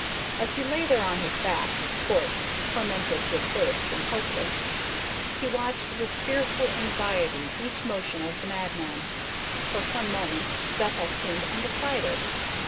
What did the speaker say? As he lay there on his back, scorched, tormented with thirst and helpless, he watched with fearful anxiety each motion of the madman. For some moments Zeppa seemed undecided.